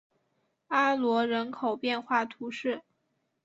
阿罗人口变化图示